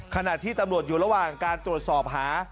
ขณะที่ตำรวจอยู่ระหว่างการตรวจสอบหา